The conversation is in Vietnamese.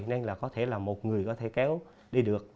nên là có thể là một người có thể kéo lê được bình thường